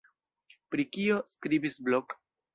Pri kio skribis Blok?